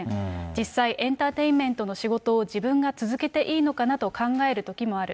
実際、エンタテインメントの仕事を自分が続けていいのかなと考えるときもある。